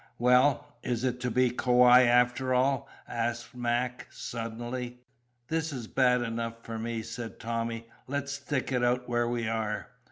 "Well, is it to be Kauai after all?" asked Mac suddenly. "This is bad enough for me," said Tommy. "Let's stick it out where we are."